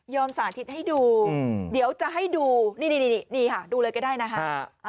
สาธิตให้ดูเดี๋ยวจะให้ดูนี่ค่ะดูเลยก็ได้นะฮะ